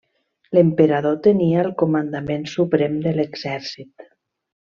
L'Emperador tenia el comandament suprem de l'exèrcit.